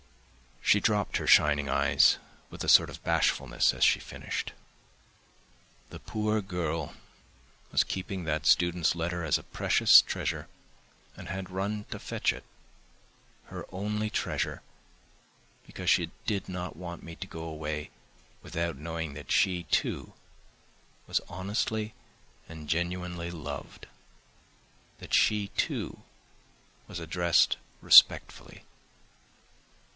She dropped her shining eyes with a sort of bashfulness as she finished. The poor girl was keeping that student's letter as a precious treasure, and had run to fetch it, her only treasure, because she did not want me to go away without knowing that she, too, was honestly and genuinely loved; that she, too, was addressed respectfully.